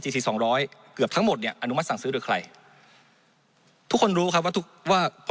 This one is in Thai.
จีซีสองร้อยเกือบทั้งหมดเนี้ยอนุมัติสั่งซื้อหรือใครทุกคนรู้ครับว่า